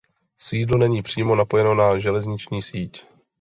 Sídlo není přímo napojeno na železniční síť.